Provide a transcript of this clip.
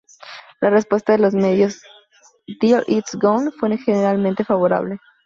La respuesta de los medios a "Till It's Gone" fue generalmente favorable.